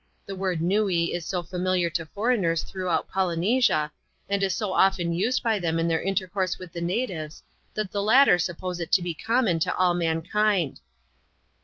The word ^'nuee*' is so familiar to foreigners throughout Polynesia, and is so often used by them in their intercourse with the natives, that the latter suppose it to be common to all mankind.